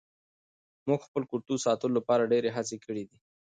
موږ د خپل کلتور ساتلو لپاره ډېرې هڅې کړې دي.